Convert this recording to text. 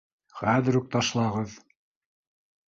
Хәҙер үк ташлағыҙ.